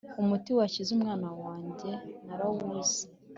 umuti wakiza umwana wanjye narawubuze